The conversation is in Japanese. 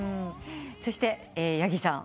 そして八木さん。